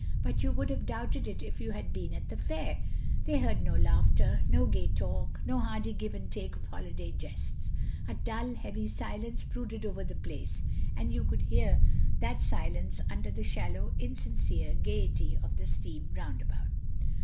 But you would have doubted it if you had been at the fair. They heard no laughter, no gay talk, no hearty give and take of holiday jests. A dull heavy silence brooded over the place, and you could hear that silence under the shallow insincere gaiety of the steam roundabout.